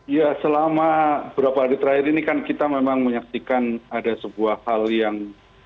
ya selama berapa hari terakhir ini kan kita memang menyaksikan ada sebuah hal yang